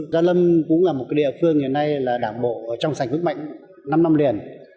gia lâm cũng là một địa phương hiện nay là đảng bộ trong sảnh hức mạnh năm năm liền